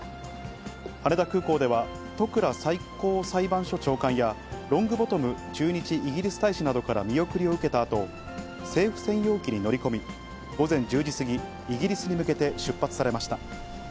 羽田空港では、戸倉最高裁判所長官やロングボトム駐日イギリス大使などから見送りを受けたあと、政府専用機に乗り込み、午前１０時過ぎ、イギリスに向けて出発されました。